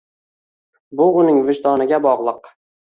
Bu uning vijdoniga bog'liq.